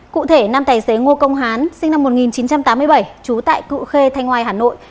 cụ thể nam tài xế ngô công hán sinh năm một nghìn chín trăm tám mươi bảy trú tại cụ khê thanh hoài hà nội